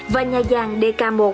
và nha giang dk một